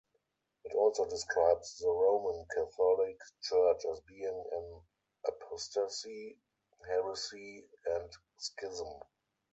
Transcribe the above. It also describes the Roman Catholic Church as being in apostasy, heresy, and schism.